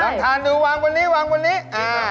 ดังทานหนูวางตรงนี้อ่ะ